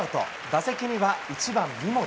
打席には１番三森。